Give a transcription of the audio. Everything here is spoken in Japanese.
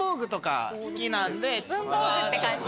文房具って感じ。